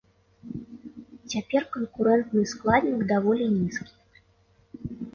Цяпер канкурэнтны складнік даволі нізкі.